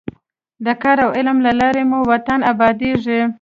د کار او علم له لارې مو وطن ابادېږي.